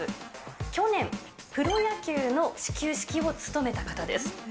去年、プロ野球の始球式を務めた方です。